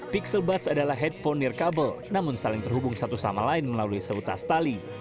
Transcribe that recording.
pixel buds adalah headphone near cable namun saling terhubung satu sama lain melalui seutas tali